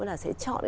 là sẽ chọn